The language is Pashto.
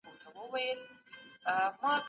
ساینس پوهان د تورو کچ او میچ کوي.